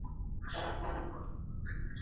هغه څه جوړ کړي چي د ټولني لپاره ګټور وي.